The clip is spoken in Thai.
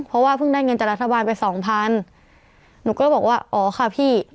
เพราะว่าเพิ่งได้เงินจากรัฐบาลไปสองพันหนูก็บอกว่าอ๋อค่ะพี่